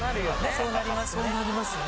そうなりますよね。